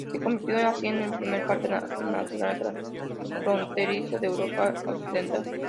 Se convirtió así en el primer parque natural transfronterizo de Europa occidental.